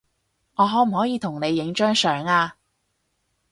我可唔可以同你影張相呀